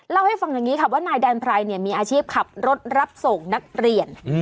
เล่าให้ฟังอย่างนี้ค่ะว่านายแดนไพรมีอาชีพขับรถรับส่งนักเรียน